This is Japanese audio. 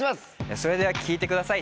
それでは聴いてください！